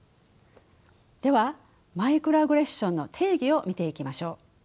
ではマイクロアグレッションの定義を見ていきましょう。